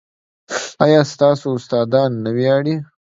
ایا ستاسو استادان نه ویاړي؟